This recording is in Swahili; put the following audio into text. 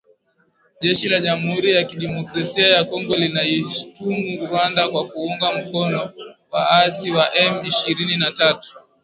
Jeshi la jamuhuri ya kidemokrasia ya Kongo linaishutumu Rwanda kwa kuunga mkono waasi wa M ishirini na tatu